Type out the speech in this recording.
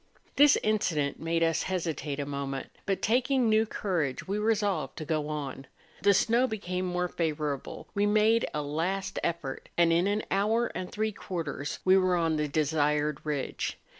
This incident made us hesitate a moment, but taking new courage, we resolved to go on ; the snow became more favourable; we made a last effort, and in an hour and three quarters we were on the desired ridge.